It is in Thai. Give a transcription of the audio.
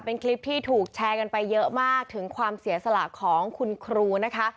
เป็นคลิปที่ถูกแชร์กันไปเยอะมากถึงความเสียสละของคุณครูนะคะ